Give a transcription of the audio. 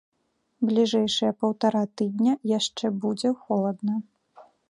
Бліжэйшыя паўтара тыдня яшчэ будзе халодна.